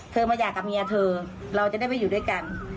มาอยากกับเมียเธอเราจะได้ไม่อยู่ด้วยกัน